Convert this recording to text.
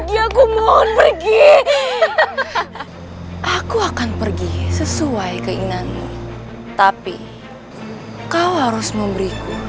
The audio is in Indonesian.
jangan sampai kabur